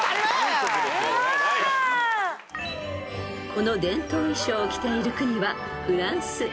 ［この伝統衣装を着ている国はフランス］